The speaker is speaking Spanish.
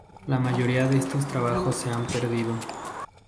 La mayoría de estos trabajos se han perdido.